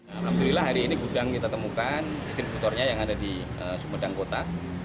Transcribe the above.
alhamdulillah hari ini gudang kita temukan distributornya yang ada di sumedang kota